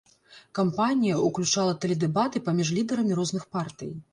Кампанія ўключала тэледэбаты паміж лідарамі розных партый.